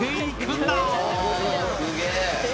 すげえ！